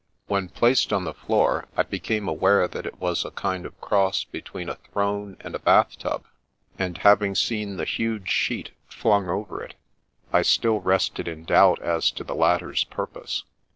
When placed on the floor, I became aware that it was a kind of cross between a throne and a h^th tuby and, having seen the huge sheet flung over 146 The Princess Passes it, I still rested in doubt as to the latter's purpose.